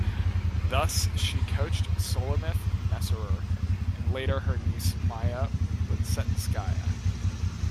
Thus she coached Sulamith Messerer and later her niece Maya Plisetskaya.